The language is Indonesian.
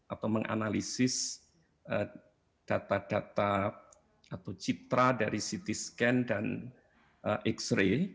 atau menganalisis data data atau citra dari ct scan dan x ray